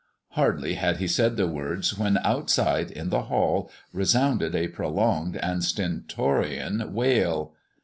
Hardly had he said the words when outside, in the hall, resounded a prolonged and stentorian wail.